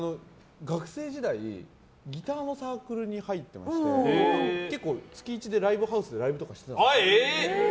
学生時代ギターのサークルに入ってまして結構、月一でライブハウスでライブとかしてたんですよ。